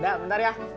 oh enggak bentar ya